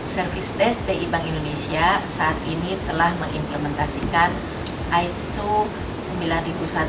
service desk ti bank indonesia saat ini telah mengimplementasikan iso sembilan ribu satu dua ribu lima belas system management